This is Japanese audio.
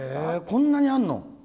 こんなにあるの？